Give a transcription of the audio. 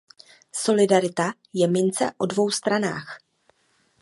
Solidarita je mince o dvou stranách.